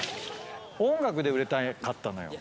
音楽で売れたかったのよ。